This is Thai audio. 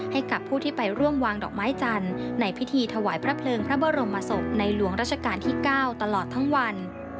ให้กับผู้ที่ไปร่วมวางดอกไม้จันทร์ในพิธีถวายพระเพลิงพระบรมศพในหลวงราชการที่๙ตลอดทั้งวัน